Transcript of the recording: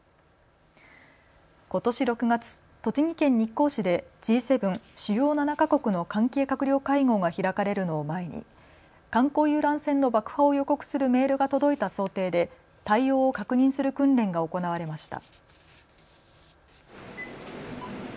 ことし６月、栃木県日光市でＧ７・主要７か国の関係閣僚会合が開かれるのを前に観光遊覧船の爆破を予告するメールが届いた想定で対応を確認する訓練が行われました。